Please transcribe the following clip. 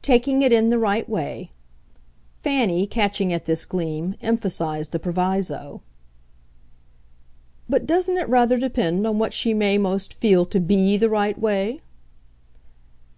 "Taking it in the right way." Fanny, catching at this gleam, emphasised the proviso. "But doesn't it rather depend on what she may most feel to BE the right way?"